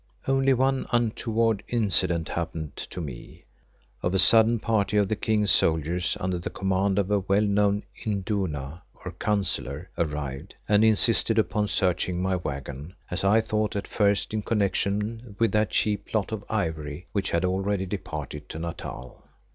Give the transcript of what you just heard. Only one untoward incident happened to me. Of a sudden a party of the King's soldiers under the command of a well known Induna or Councillor, arrived and insisted upon searching my waggon, as I thought at first in connection with that cheap lot of ivory which had already departed to Natal.